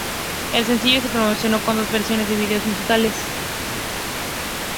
El sencillo se promocionó con dos versiones de vídeos musicales.